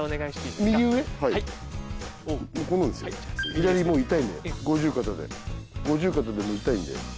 左もう痛いんで五十肩で五十肩でもう痛いんで。